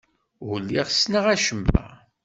Ur lliɣ ssneɣ acemma.